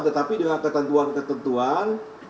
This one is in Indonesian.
tetapi dengan ketentuan ketentuan